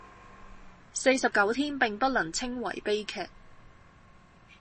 四十九天並不能稱為悲劇